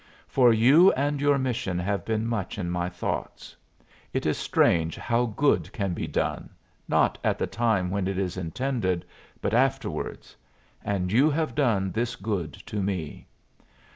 For you and your mission have been much in my thoughts. It is strange how good can be done, not at the time when it is intended, but afterwards; and you have done this good to me.